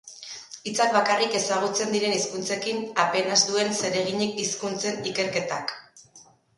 Hitzak bakarrik ezagutzen diren hizkuntzekin, apenas duen zereginik hizkuntzen ikerketak.